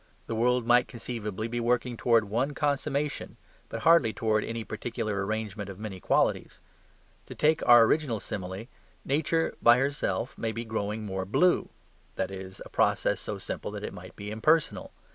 The world might conceivably be working towards one consummation, but hardly towards any particular arrangement of many qualities. To take our original simile: Nature by herself may be growing more blue; that is, a process so simple that it might be impersonal.